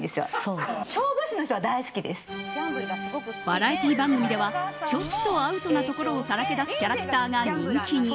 バラエティー番組ではちょっとアウトなところをさらけ出すキャラクターが人気に。